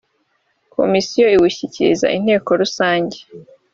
Komisiyo iwushyikiriza inteko rusange